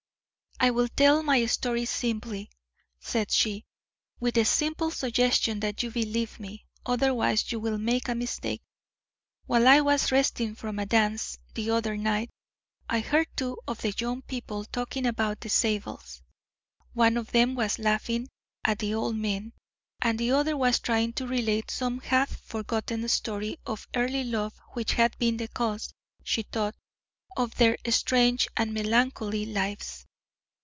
"I will tell my story simply," said she, "with the simple suggestion that you believe me; otherwise you will make a mistake. While I was resting from a dance the other night, I heard two of the young people talking about the Zabels. One of them was laughing at the old men, and the other was trying to relate some half forgotten story of early love which had been the cause, she thought, of their strange and melancholy lives.